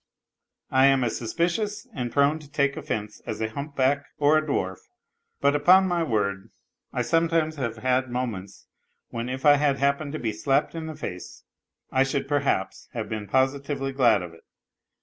I am as suspicious and prone to take offence as a humpback or a dwarf. But upon my word I sometimes have had moments when if I had happened to be slapped in the face I should, perhaps, have been positively glad of it.